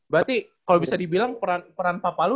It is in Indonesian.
berarti kalo bisa dibilang peran papa lu